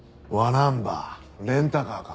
ナンバーレンタカーか。